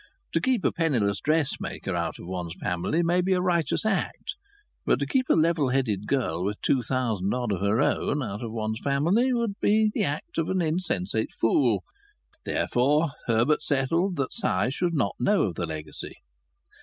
To keep a penniless dressmaker out of one's family may be a righteous act. But to keep a level headed girl with two thousand odd of her own out of one's family would be the act of an insensate fool. Therefore Herbert settled that Si should not know of the legacy.